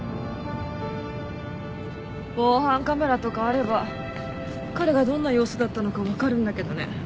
防犯カメラとかあれば彼がどんな様子だったのか分かるんだけどね。